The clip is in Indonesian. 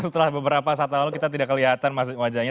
setelah beberapa saat lalu kita tidak kelihatan wajahnya